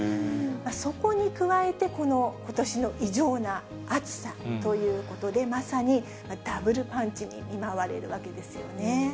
そこに加えて、ことしの異常な暑さということで、まさにダブルパンチに見舞われるわけですよね。